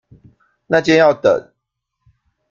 那間要等